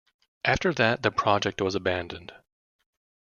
After that the project was abandoned.